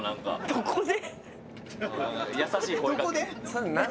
どこで？